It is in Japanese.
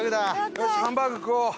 よしハンバーグ食おう！